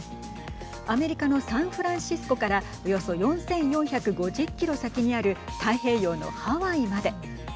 アメリカのサンフランシスコからおよそ４４５０キロ先にある太平洋のハワイまで。